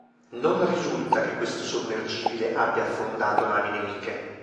Non risulta che questo sommergibile abbia affondato navi nemiche.